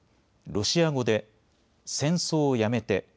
ロシア語で戦争をやめて。